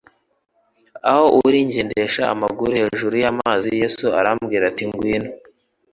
aho uri ngendesha amaguru hejuru y'amazi." Yesu aramubwira ati: "Ngwino".